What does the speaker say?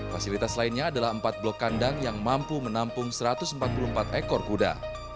fasilitas lainnya adalah empat blok kandang yang mampu menampung satu ratus empat puluh empat ekor kuda